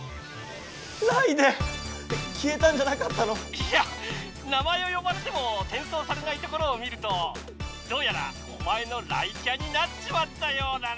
いや名前をよばれてもてんそうされないところをみるとどうやらおまえの雷キャになっちまったようだな！